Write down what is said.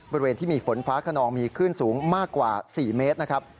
บริเวณที่มีฝนฟ้าขนองมีคลื่นสูงมากกว่า๔เมตรนะครับ